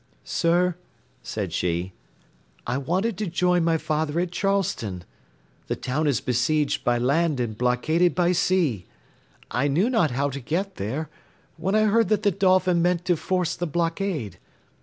"Sir," said she, "I wanted to join my father at Charleston; the town is besieged by land and blockaded by sea. I knew not how to get there, when I heard that the Dolphin meant to force the blockade.